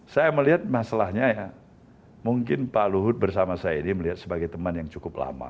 saya melihat masalahnya ya mungkin pak luhut bersama saya ini melihat sebagai teman yang cukup lama